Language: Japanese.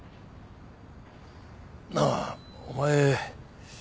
なあお前